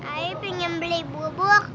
ayu pingin beli bubuk